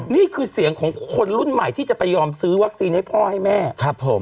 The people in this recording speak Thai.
นี่คือเสียงของคนรุ่นใหม่ที่จะไปยอมซื้อวัคซีนให้พ่อให้แม่ครับผม